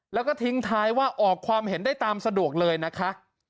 แล้วก็ทิ้งท้ายว่าออกความเห็นได้ตามสะดวกเลยนะคะ